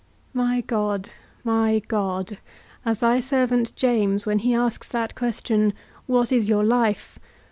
My God, my God, as thy servant James, when he asks that question, _What is your life?